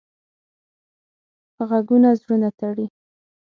غږونه زړونه تړي